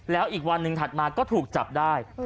แล้วอีกวันหนึ่งถัดมาก็ถูกจับได้